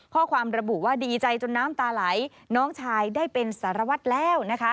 ข้อความระบุว่าดีใจจนน้ำตาไหลน้องชายได้เป็นสารวัตรแล้วนะคะ